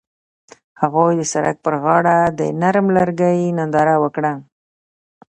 هغوی د سړک پر غاړه د نرم لرګی ننداره وکړه.